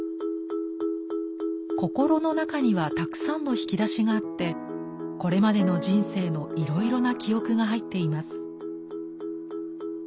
心の中にはたくさんの引き出しがあってこれまでの人生のいろいろな記憶が入っています。